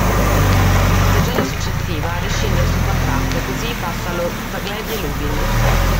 La stagione successiva rescinde il suo contratto e così passa allo Zagłębie Lubin.